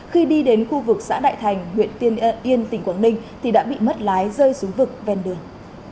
khi đi đến khu vực xã đại thành huyện tiên yên tỉnh quảng ninh thì đã bị mất lái rơi xuống vực ven đường